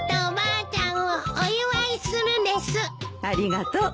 ありがとう。